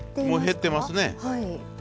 もう減ってますね。